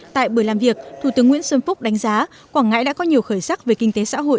tại buổi làm việc thủ tướng nguyễn xuân phúc đánh giá quảng ngãi đã có nhiều khởi sắc về kinh tế xã hội